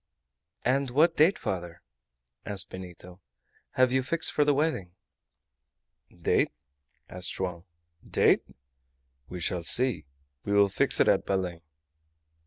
"And what date, father," asked Benito, "have you fixed for the wedding?" "Date?" answered Joam. "Date? We shall see. We will fix it at Belem."